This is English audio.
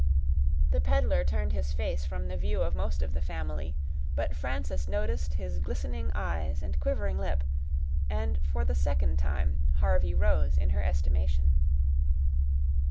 The peddler turned his face from the view of most of the family; but Frances noticed his glistening eyes and quivering lip, and, for the second time, Harvey rose in her estimation.